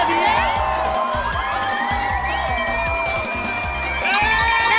เร็วเร็วเร็วเร็ว